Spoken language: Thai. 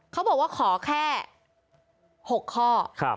เขาบอกว่าขอแค่๖ข้อ